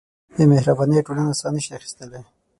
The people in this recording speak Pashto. بېمهربانۍ ټولنه ساه نهشي اخیستلی.